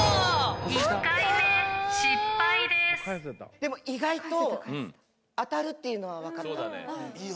でも意外と、当たるっていうのは分かった。